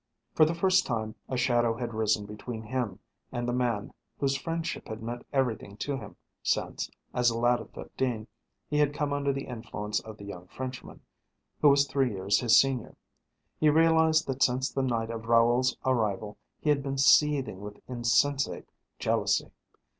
For the first time a shadow had risen between him and the man whose friendship had meant everything to him since, as a lad of fifteen, he had come under the influence of the young Frenchman, who was three years his senior. He realized that since the night of Raoul's arrival he had been seething with insensate jealousy.